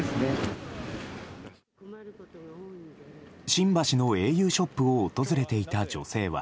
新橋のａｕショップを訪れていた女性は。